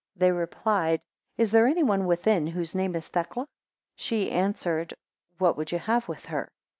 6 They replied, Is there any one within, whose name is Thecla? She answered, What would you have with her?